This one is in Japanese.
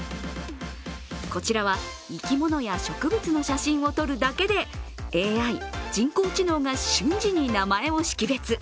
こちらは、生き物や植物の写真を撮るだけでＡＩ＝人工知能が瞬時に名前を識別。